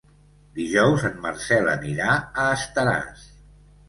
Dijous en Marcel anirà a Estaràs.